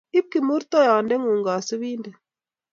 Iip kimurtoiyot ng'uung kasupinded